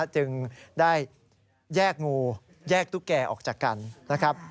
จึงได้แยกงูแยกตุ๊กแก่ออกจากกันนะครับ